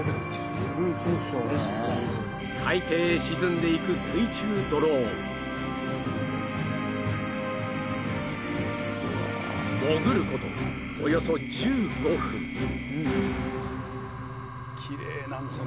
海底へ沈んでいく水中ドローン潜ることおよそ１５分キレイなんですよね